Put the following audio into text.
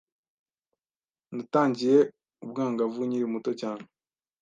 natangiye ubwangavu nkiri muto cyane